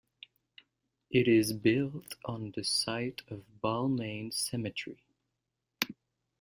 It is built on the site of Balmain Cemetery.